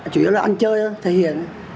chủ yếu là ăn chơi thôi thể hiện